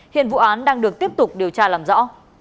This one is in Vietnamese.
hiện vụ án đang được tiếp tục điều tra làm rõ